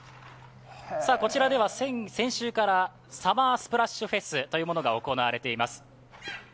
こちらでは先週からサマースプラッシュフェスというものが行われています。